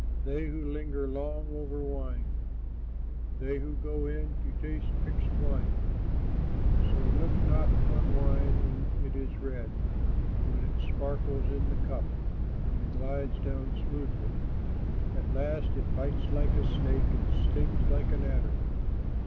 They who linger long over wine, They who go in to taste mixed wine. So look not on wine when it is red, When it sparkles in the cup, And glides down smoothly. At last it bites like a snake, And stings like an adder.